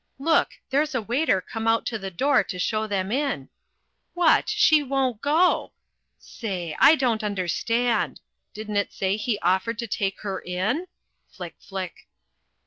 Look, there's a waiter come out to the door to show them in what! she won't go! Say! I don't understand! Didn't it say he offered to take her in? Flick, flick!